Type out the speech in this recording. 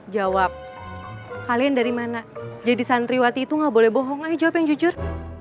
jawab kalian dari mana jadi santriwati itu nggak boleh bohong aja yang jujur